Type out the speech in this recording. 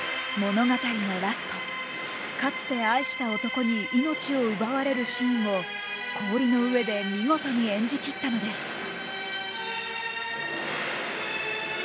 物語のラストかつて愛した男に命を奪われるシーンを氷の上で見事に演じ切ったのです。